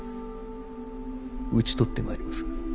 討ち取ってまいります。